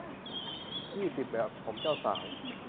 ยี่สิบ แบบผมเจ้าสาว